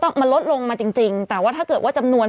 เพื่อไม่ให้เชื้อมันกระจายหรือว่าขยายตัวเพิ่มมากขึ้น